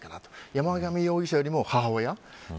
山上容疑者よりも母親。